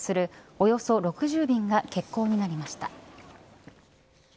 およそ６０便が欠航になりました。